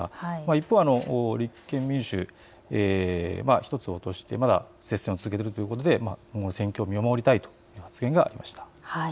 一方、立憲民主、１つ落としてまだ接戦を続けているということで今後の戦況を見守りたいという発言がありました。